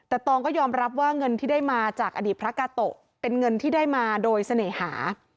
แต่ตองก็ยอมรับว่าเงินที่ได้มาจากอดีตพระกาโตะเป็นเงินที่ได้มาโดยเสน่หา